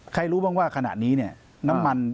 ใครรู้บ้างว่าขณะนี้น้ำมัน